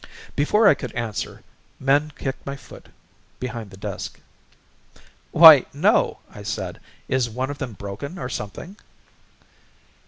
Before I could answer Min kicked my foot behind the desk. "Why, no," I said. "Is one of them broken or something?"